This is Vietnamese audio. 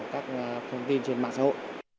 các thông tin trên mạng xã hội